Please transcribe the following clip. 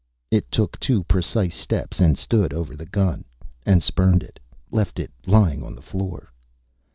It took two precise steps and stood over the gun and spurned it, left it lying on the floor.